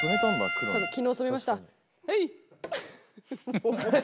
昨日染めましたはい！